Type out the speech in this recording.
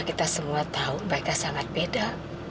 kita semua tahu mereka sangat beda